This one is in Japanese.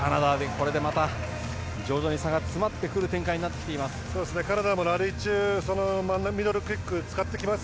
これでまた徐々に差が詰まってくる展開になってきています。